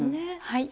はい。